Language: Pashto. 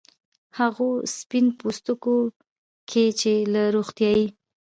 هغو سپین پوستکو کې چې له روغتیايي